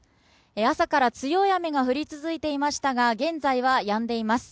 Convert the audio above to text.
朝から強い雨が降り続いていましたが現在はやんでいます。